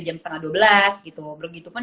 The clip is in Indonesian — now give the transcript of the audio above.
jam setengah dua belas gitu begitu pun